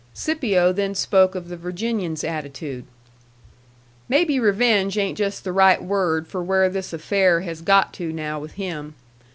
Scipio then spoke of the Virginian's attitude. "Maybe revenge ain't just the right word for where this affair has got to now with him.